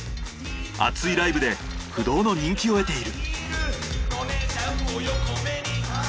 熱いライブで不動の人気を得ている。